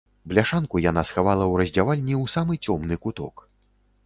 Бляшанку яна схавала ў раздзявальні ў самы цёмны куток.